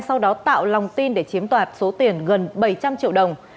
sau đó tạo lòng tin để chiếm đoạt số tiền gần bảy trăm linh triệu đồng